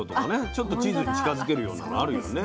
ちょっとチーズに近づけるようなのあるよね